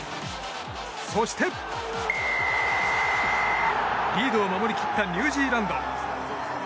そして、リードを守り切ったニュージーランド。